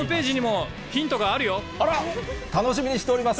あら、楽しみにしております。